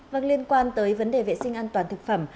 vâng liên quan tới vấn đề vệ sinh an toàn thực phẩm